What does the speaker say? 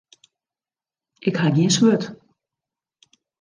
Ik ha gjin swurd.